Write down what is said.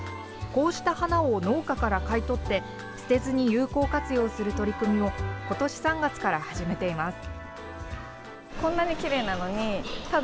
こうした花を農家から買い取って捨てずに有効活用する取り組みをことし３月から始めています。